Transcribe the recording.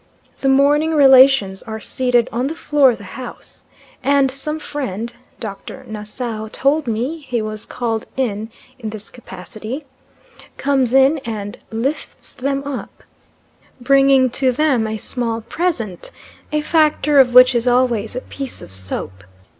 The mourning relations are seated on the floor of the house, and some friend Dr. Nassau told me he was called in in this capacity comes in and "lifts them up," bringing to them a small present, a factor of which is always a piece of soap.